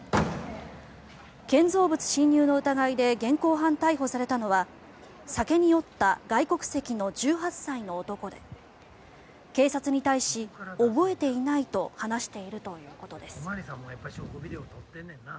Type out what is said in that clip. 建造物侵入の疑いで現行犯逮捕されたのは酒に酔った外国籍の１８歳の男で警察に対し、覚えていないと話しているということです。